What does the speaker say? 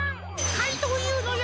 かいとうＵのよ